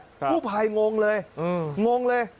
ผู้ผ่ายงงเลยงงเลย